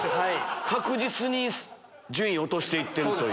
確実に順位落として行ってる。